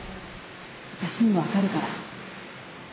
私にも分かるから